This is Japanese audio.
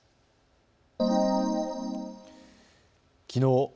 きのう